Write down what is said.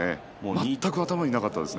全く頭になかったですね。